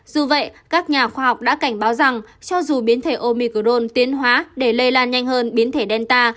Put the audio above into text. dù vậy các nhà khoa học đã cảnh báo rằng cho dù biến thể omicron tiến hóa để lây lan nhanh hơn biến thể đen ta